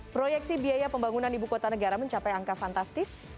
proyeksi biaya pembangunan ibu kota negara mencapai angka fantastis